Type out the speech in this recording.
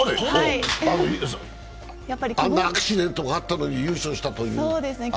あんなアクシデントがあったのに優勝したというあっぱれ。